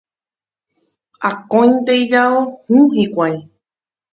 Akóinte ijao hũ hikuái